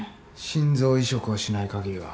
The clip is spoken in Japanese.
心臓移植をしないかぎりは。